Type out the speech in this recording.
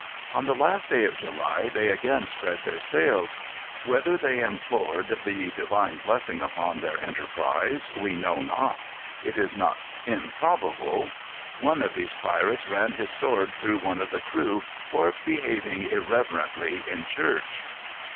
On the last day of July they again spread their sails. Whether they implored the Divine blessing upon their enterprise we know not. It is not improbable. One of these pirates ran his sword through one of the crew for behaving irreverently in church.